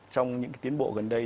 trong những tiến bộ gần đây